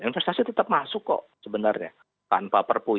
investasi tetap masuk kok sebenarnya tanpa perpu ini